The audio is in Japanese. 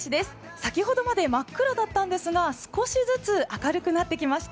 先ほどまで真っ暗だったんですが、少しずつ明るくなってきました。